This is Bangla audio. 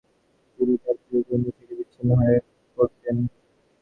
তিনি তার প্রিয়জনদের থেকে বিচ্ছিন্ন হয়ে পড়তেন।